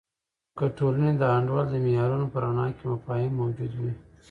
که د ټولنې د انډول د معیارونو په رڼا کې مفاهیم موجود وي.